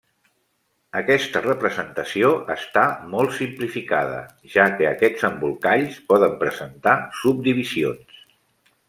Aquesta representació està molt simplificada, ja que aquests embolcalls poden presentar subdivisions.